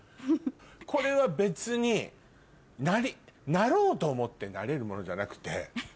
これは別になろうと思ってなれるものじゃなくて。